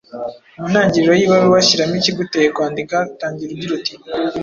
Mu ntangiriro y’ibaruwa, shyiramo ikiguteye kwandika. Tangira ugira uti